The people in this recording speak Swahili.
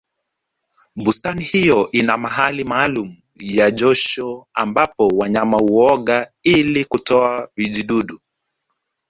bustani hiyo ina mahali maalumu ya josho ambapo wanyama huoga ili kutoa vijidudu